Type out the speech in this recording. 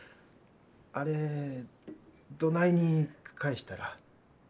あれどないに返したら。